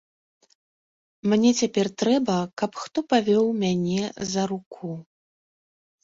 Мне цяпер трэба, каб хто павёў мяне за руку.